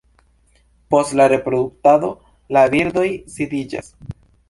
Post la reproduktado la birdoj disiĝas.